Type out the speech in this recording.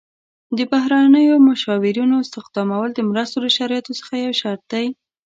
د بهرنیو مشاورینو استخدامول د مرستو د شرایطو څخه یو شرط دی.